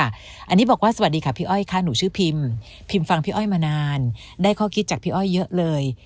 อันนี้บอกว่าสวัสดีค่ะพี่อ้อยค่ะหนูชื่อพิมพิมฟังพี่อ้อยมานานได้ข้อคิดจากพี่อ้อยเยอะเลย